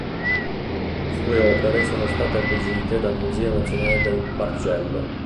Sue opere sono state acquisite dal Museo nazionale del Bargello.